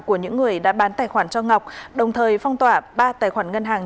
của những người đã bán tài khoản cho ngọc đồng thời phong tỏa ba tài khoản ngân hàng